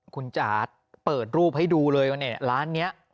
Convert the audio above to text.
คุณจ๋าเปิดรูปให้ดูเลยว่าเนี่ยร้านนี้